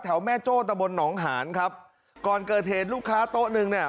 แม่โจ้ตะบนหนองหานครับก่อนเกิดเหตุลูกค้าโต๊ะหนึ่งเนี่ย